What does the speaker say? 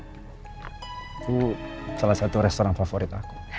itu salah satu restoran favorit aku